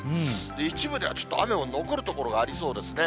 一部ではちょっと雨も残る所がありそうですね。